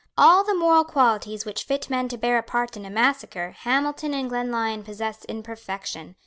All the moral qualities which fit men to bear a part in a massacre Hamilton and Glenlyon possessed in perfection.